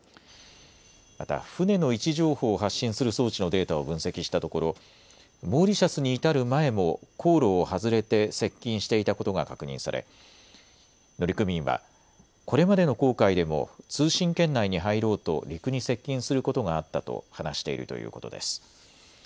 また船の位置情報を発信する装置のデータを分析したところモーリシャスに至る前も航路を外れて接近していたことが確認され乗組員はこれまでの航海でも通信圏内に入ろうと陸に接近することがあったと話しているということです。